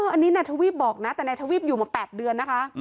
อันนี้นายทวีปบอกนะแต่นายทวีปอยู่มา๘เดือนนะคะ